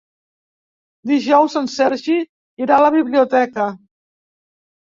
Dijous en Sergi irà a la biblioteca.